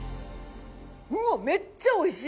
うわっめっちゃおいしい！